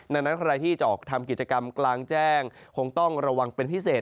ดังนั้นใครที่จะออกทำกิจกรรมกลางแจ้งคงต้องระวังเป็นพิเศษ